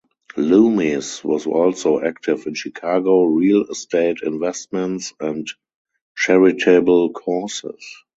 Loomis was also active in Chicago real estate investments and charitable causes.